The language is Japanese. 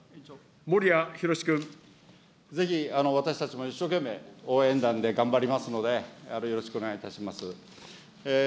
ぜひ、私たちも一生懸命、応援団で頑張りますので、よろしくお願いいたします。